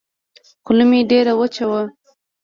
خوله مې ډېره وچه وه.